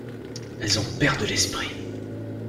Elles en perdent l'esprit.